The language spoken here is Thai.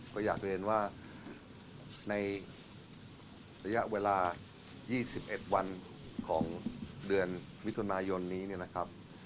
ก็อยากเรียนว่าในระยะเวลา๒๑วันของเดือนมิถุนายนนี้เนี่ยนะครับ